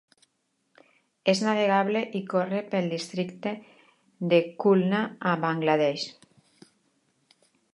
És navegable i corre pel districte de Khulna a Bangla Desh.